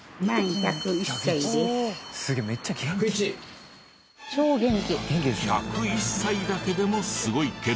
１０１歳だけでもすごいけど。